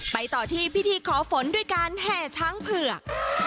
ต่อที่พิธีขอฝนด้วยการแห่ช้างเผือก